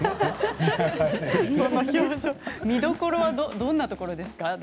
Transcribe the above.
見どころはどんなところですか？